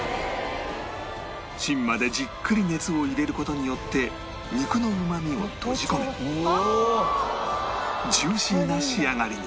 芯までじっくり熱を入れる事によって肉のうまみを閉じ込めジューシーな仕上がりに